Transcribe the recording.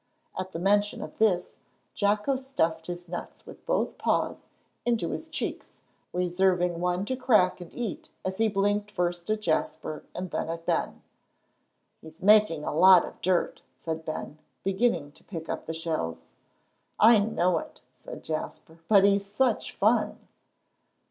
At the mention of this, Jocko stuffed his nuts with both paws into his cheeks, reserving one to crack and eat as he blinked first at Jasper and then at Ben. "He's making a lot of dirt," said Ben, beginning to pick up the shells. "I know it," said Jasper, "but he's such fun."